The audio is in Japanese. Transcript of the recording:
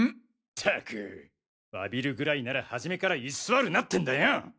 ったく詫びるぐらいならはじめから居座るなってんだよ！